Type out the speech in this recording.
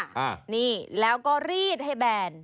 อ่านี่แล้วก็รีดให้แบน